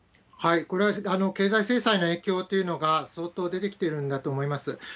これは経済制裁の影響というのが相当出てきてるんだと思います。